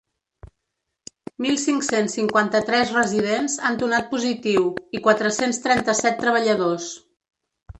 Mil cinc-cents cinquanta-tres residents han donat positiu i quatre-cents trenta-set treballadors.